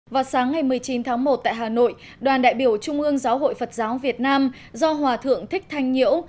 vào sáng ngày một mươi chín tháng một tại hà nội đoàn đại biểu trung ương giáo hội phật giáo việt nam do hòa thượng thích thanh nhiễu